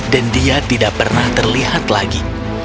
dan dia tidak pernah terlihat lagi